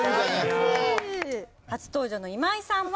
初登場の今井さんは。